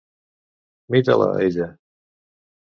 Mi-te-la, ella!